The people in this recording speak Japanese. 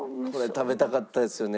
食べたかったですよね。